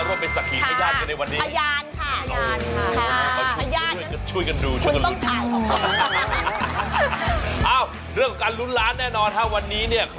เราจะเห็นมุมฮาแค่ตานะคะ